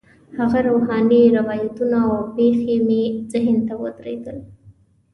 هغه روحاني روایتونه او پېښې مې ذهن ته ودرېدل.